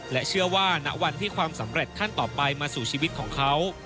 เชื่อว่าณวันที่ความสำเร็จขั้นต่อไปมาสู่ชีวิตของเขา